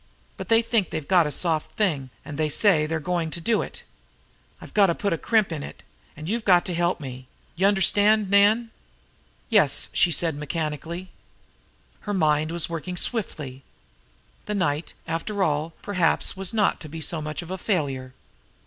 But they think they've got a soft thing, and they say they're goin' to it. I've got to put a crimp in it, and you've got to help me. Y'understand, Nan?" "Yes," she said mechanically. Her mind was working swiftly. The night, after all, perhaps, was not to be so much of a failure!